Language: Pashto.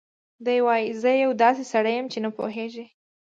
دی وايي: "زه یو داسې سړی یم چې نه پوهېږي